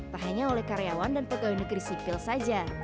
tak hanya oleh karyawan dan pegawai negeri sipil saja